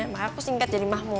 mahal aku singkat jadi mahmud